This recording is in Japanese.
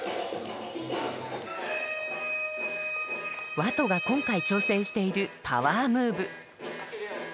ＷＡＴＯが今回挑戦しているパワームーブ。